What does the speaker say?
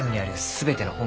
全ての本？